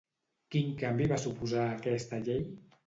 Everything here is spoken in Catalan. Quin canvi va suposar aquesta llei?